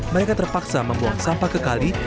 mereka terpaksa membuang sampah ke kali